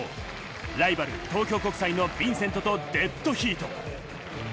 ライバル、東京国際のヴィンセントとデッドヒート。